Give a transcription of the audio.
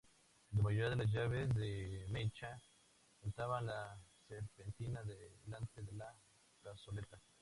La mayoría de llaves de mecha montaban la serpentina delante de la cazoleta.